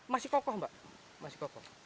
masih kokoh mbak masih kokoh